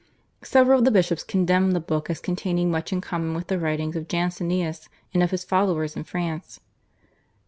Several of the bishops condemned the book as containing much in common with the writings of Jansenius and of his followers in France.